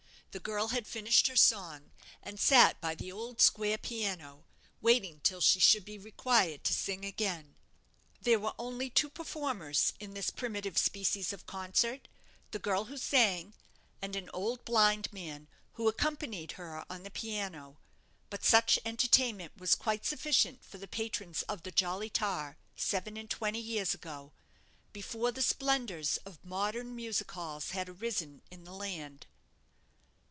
The girl had finished her song, and sat by the old square piano, waiting till she should be required to sing again. There were only two performers in this primitive species of concert the girl who sang, and an old blind man, who accompanied her on the piano; but such entertainment was quite sufficient for the patrons of the 'Jolly Tar', seven and twenty years ago, before the splendours of modern music halls had arisen in the land.